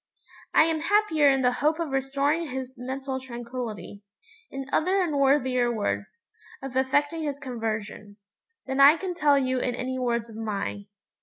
I am happier in the hope of restoring his mental tranquillity in other and worthier words, of effecting his conversion than I can tell you in any words of mine.